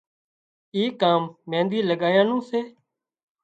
اي ڪام مينۮي لڳايا نُون سي